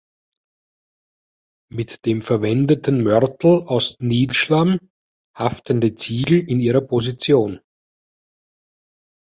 Mit dem verwendeten Mörtel aus Nilschlamm haften die Ziegel in ihrer Position.